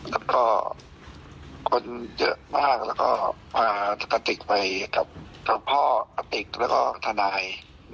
แล้วก็คนเยอะมากแล้วก็พากติกไปกับพ่อกติกแล้วก็ทนาย